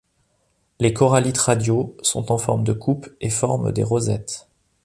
Les corallites radiaux sont en forme de coupe et forment des rosettes.